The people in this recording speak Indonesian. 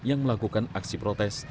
yang melakukan aksi protes